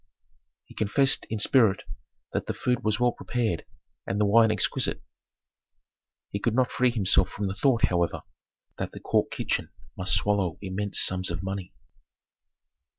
He confessed in spirit that the food was well prepared and the wine exquisite. He could not free himself from the thought, however, that the court kitchen must swallow immense sums of money.